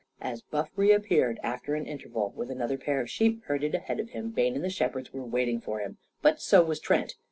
As Buff reappeared, after an interval, with another pair of sheep herded ahead of him, Bayne and the shepherds were waiting for him. But so was Trent.